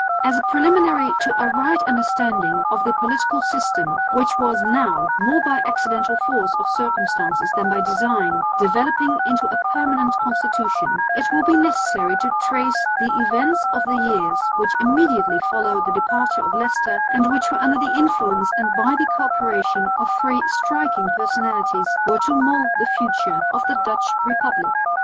As a preliminary to a right understanding of the political system, which was now, more by accidental force of circumstances than by design, developing into a permanent constitution, it will be necessary to trace the events of the years which immediately followed the departure of Leicester, and which under the influence and by the co operation of three striking personalities were to mould the future of the Dutch republic.